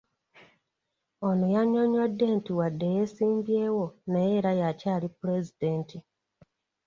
Ono annyonnyodde nti wadde yeesimbyewo naye era y'akyali Pulezidenti